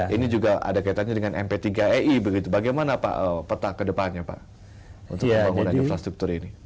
ini juga ada kaitannya dengan mp tiga ei begitu bagaimana pak peta kedepannya pak untuk pembangunan infrastruktur ini